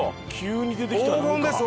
黄金です！